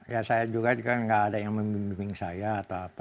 ya saya juga kan nggak ada yang membimbing saya atau apa